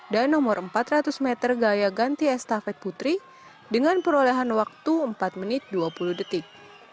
dan nomor empat ratus meter gaya ganti estafet putri dengan perolehan waktu empat menit dua puluh detik